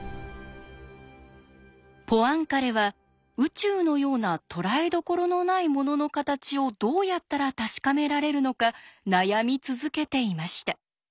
ポアンカレは宇宙のようなとらえどころのないものの形をどうやったら確かめられるのか悩み続けていました。